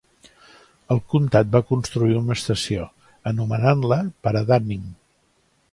El comtat va construir una estació, anomenant-la per a Dunning.